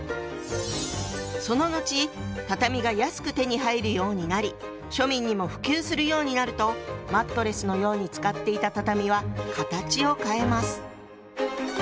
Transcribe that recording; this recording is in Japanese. そののち畳が安く手に入るようになり庶民にも普及するようになるとマットレスのように使っていた畳は形を変えます。